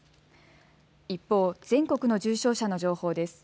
一方、全国の重症者の情報です。